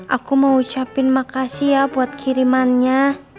aku mau ucapin makasih ya buat kirimannya